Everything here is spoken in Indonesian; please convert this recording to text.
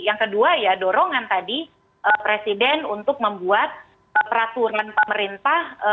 yang kedua ya dorongan tadi presiden untuk membuat peraturan pemerintah